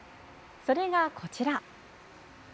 それが、こちら！